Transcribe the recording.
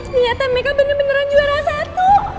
ternyata mereka bener beneran juara satu